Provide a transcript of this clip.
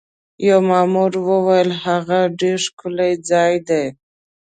یوه مامور وویل: هغه ډېر ښکلی ځای دی.